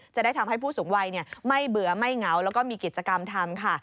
จะได้ทำให้ผู้สูงวัยไม่เบื่อไม่เหงาแล้วก็มีกิจกรรมทำค่ะ